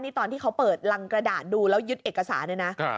นี่ตอนที่เขาเปิดรังกระดาษดูแล้วยึดเอกสารเนี่ยนะ